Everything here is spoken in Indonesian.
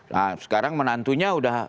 nah sekarang menantunya udah